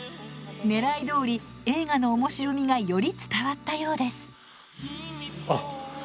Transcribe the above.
ねらいどおり映画の面白みがより伝わったようです。